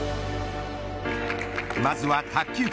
まずは卓球界。